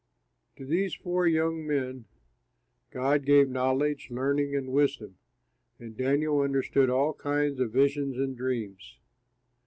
To these four young men God gave knowledge, learning, and wisdom; and Daniel understood all kinds of visions and dreams.